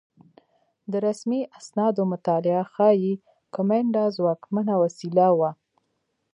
د رسمي اسنادو مطالعه ښيي کومېنډا ځواکمنه وسیله وه